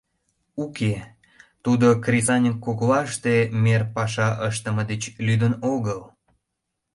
Уке, тудо кресаньык коклаште мер паша ыштыме деч лӱдын огыл.